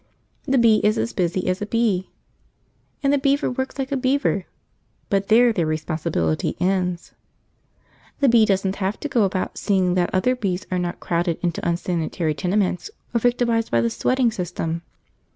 The bee is as busy as a bee, and the beaver works like a beaver, but there their responsibility ends. The bee doesn't have to go about seeing that other bees are not crowded into unsanitary tenements or victimised by the sweating system.